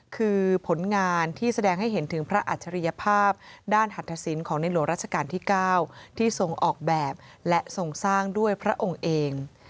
คือผลงานที่แสดงให้เห็นถึงพระอัจฉริยภาพด้านหัตถสินของในหลวงราชการที่๙ที่ทรงออกแบบและทรงสร้างด้วยพระองค์เอง